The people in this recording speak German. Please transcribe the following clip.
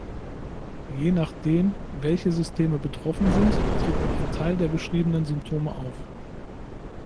Je nachdem, welche Systeme betroffen sind, tritt nur ein Teil der beschriebenen Symptome auf.